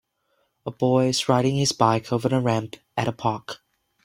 A boy is riding his bike over a ramp at a park.